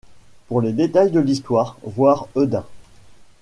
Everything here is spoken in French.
Pour les détails de l'histoire, voir Hedin.